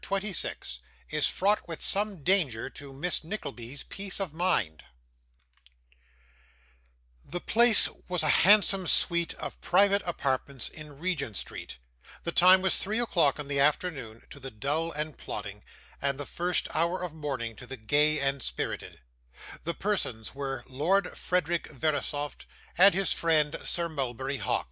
CHAPTER 26 Is fraught with some Danger to Miss Nickleby's Peace of Mind The place was a handsome suite of private apartments in Regent Street; the time was three o'clock in the afternoon to the dull and plodding, and the first hour of morning to the gay and spirited; the persons were Lord Frederick Verisopht, and his friend Sir Mulberry Hawk.